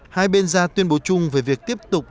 hai bên ra tuyên bố chung về việc tiếp tục